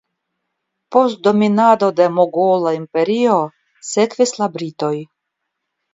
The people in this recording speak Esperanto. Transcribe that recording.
Post dominado de Mogola Imperio sekvis la britoj.